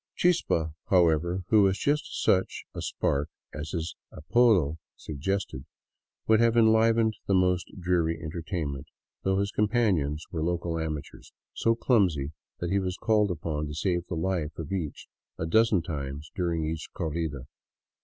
" Chispa," however, who was just such a " spark '' as his apodo suggested, would have enlivened the most dreary entertainment, though his companions were local amateurs, so clumsy that he was called upon to save the life of each a dozen times during each corrida.